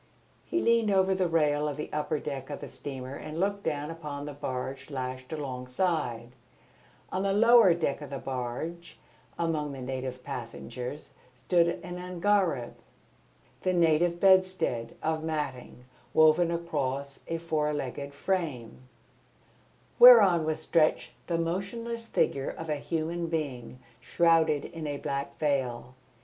He leaned over the rail of the upper deck of the steamer and looked down upon the barge lashed alongside. On the lower deck of the barge among the native passengers stood an angareb, whereon was stretched the motionless figure of a human being shrouded in a black veil.